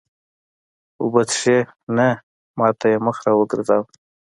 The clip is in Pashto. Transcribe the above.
اوبه څښې؟ نه، ما ته یې مخ را وګرځاوه.